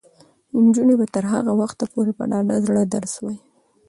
نجونې به تر هغه وخته پورې په ډاډه زړه درس وايي.